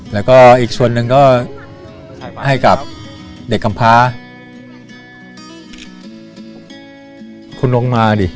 แล้วก็อีกส่วนหนึ่งก็ให้กับเด็กคำพา